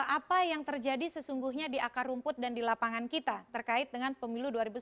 apa yang terjadi sesungguhnya di akar rumput dan di lapangan kita terkait dengan pemilu dua ribu sembilan belas